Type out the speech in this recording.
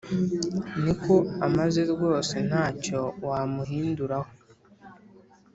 Niko ameze rwose ntacyo wamuhindura ho